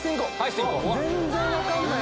全然分かんない。